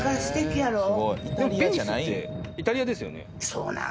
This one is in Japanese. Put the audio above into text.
そうなん。